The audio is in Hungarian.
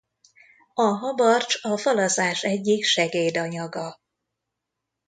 A habarcs a falazás egyik segédanyaga.